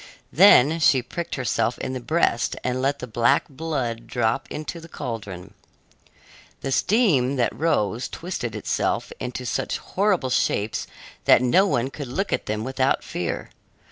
Then she pricked herself in the breast and let the black blood drop into the caldron. The steam that rose twisted itself into such horrible shapes that no one could look at them without fear.